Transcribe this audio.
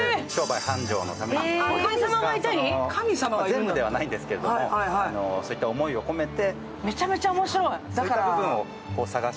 全部ではないんですけれども、商売繁盛とか、そういった思いを込めて。